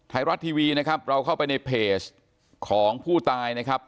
ไทยรัฐทีวีนะครับเราเข้าไปในเพจของผู้ตายนะครับ